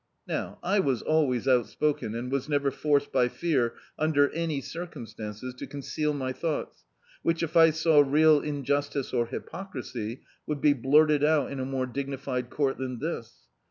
Now, I was always outspoken, and was never forced by fear, under any circumstances, to cwiceal my thoughts, which if I saw real injustice or hypocrisy, would be blurted out in a more dignified court than this.